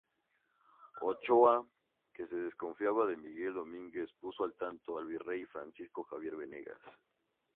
Ochoa, que desconfiaba de Miguel Domínguez puso al tanto al virrey Francisco Xavier Venegas.